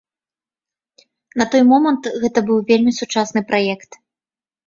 На той момант гэта быў вельмі сучасны праект.